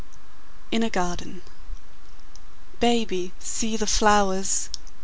IN A GARDEN Baby, see the flowers!